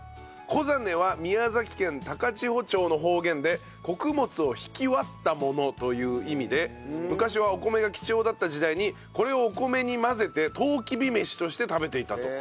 「こざね」は宮崎県高千穂町の方言で穀物を挽きわったものという意味で昔はお米が貴重だった時代にこれをお米に混ぜてとうきびめしとして食べていたと。